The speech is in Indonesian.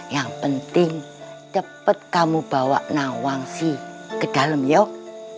yang penting cepat kamu bawa nawangsi ke dalam yuk